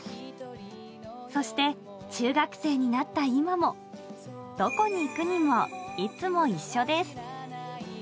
そして、中学生になった今も、どこに行くにもいつも一緒です。